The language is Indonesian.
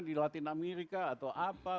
di latin america atau apa